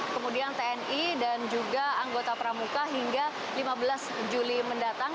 kemudian tni dan juga anggota pramuka hingga lima belas juli mendatang